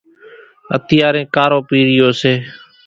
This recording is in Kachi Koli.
اتيارين ڪارو پِيرِيو سي۔